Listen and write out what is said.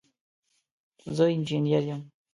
زه انجنیر یم